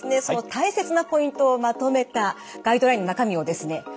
その大切なポイントをまとめたガイドラインの中身をですね